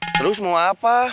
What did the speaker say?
terus mau apa